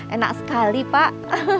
enak sekali pak